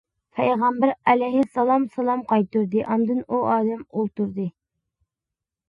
پەيغەمبەر ئەلەيھىسسالام سالام قايتۇردى، ئاندىن ئۇ ئادەم ئولتۇردى.